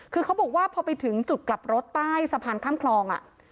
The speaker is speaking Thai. คือเขาบอกว่าพอไปถึงจุดกลับรถใต้สะพานข้ามคลอง